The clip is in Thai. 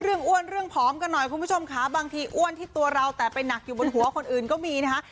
อ้วนเรื่องผอมกันหน่อยคุณผู้ชมค่ะบางทีอ้วนที่ตัวเราแต่ไปหนักอยู่บนหัวคนอื่นก็มีนะคะ